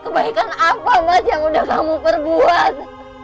kebaikan apa mas yang udah kamu perbuat